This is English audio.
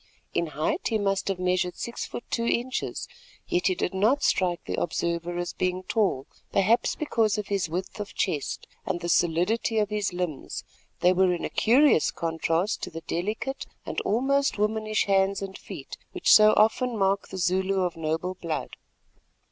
In height he must have measured six foot two inches, yet he did not strike the observer as being tall, perhaps because of his width of chest and the solidity of his limbs, that were in curious contrast to the delicate and almost womanish hands and feet which so often mark the Zulu of noble blood.